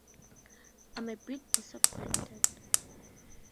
I'm a bit disappointed.